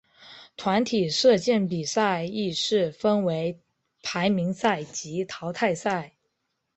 团体射箭比赛亦是分为排名赛及淘汰赛。